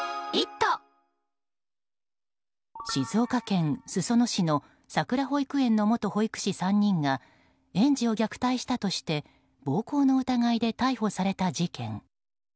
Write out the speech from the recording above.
静岡県裾野市のさくら保育園の元保育士３人が園児を虐待したとして暴行の疑いで逮捕された事件。